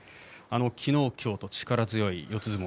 きのうきょうと力強い四つ